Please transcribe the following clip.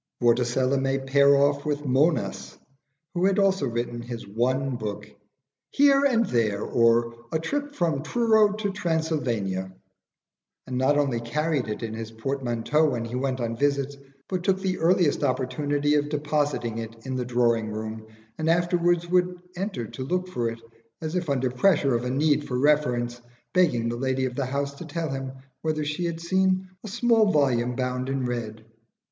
Vorticella may pair off with Monas, who had also written his one book 'Here and There; or, a Trip from Truro to Transylvania' and not only carried it in his portmanteau when he went on visits, but took the earliest opportunity of depositing it in the drawing room, and afterwards would enter to look for it, as if under pressure of a need for reference, begging the lady of the house to tell him whether she, had seen "a small volume bound in red."